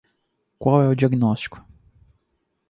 Qual é o diagnóstico?